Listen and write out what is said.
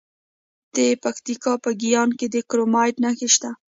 د پکتیکا په ګیان کې د کرومایټ نښې شته.